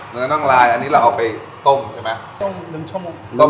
เนื้อน่องลายอันนี้เราเอาไปต้มใช่ไหม